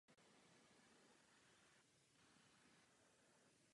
V současnosti je tato dráha součástí Matterhorn Gotthard Bahn.